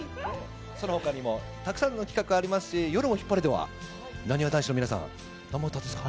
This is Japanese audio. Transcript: そのほかにもたくさんの企画ありますし、夜もヒッパレでは、なにわ男子の皆さん、生歌ですか。